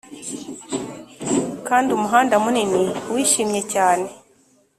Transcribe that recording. kandi umuhanda munini wishimye cyane;